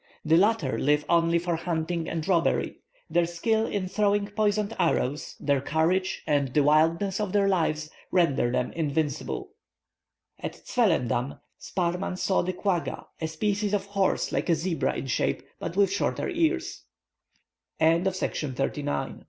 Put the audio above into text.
The latter live only for hunting and robbery; their skill in throwing poisoned arrows, their courage, and the wildness of their lives, render them invincible. At Zwellendam, Sparrman saw the quagga, a species of horse, like a zebra in shape, but with shorter ears.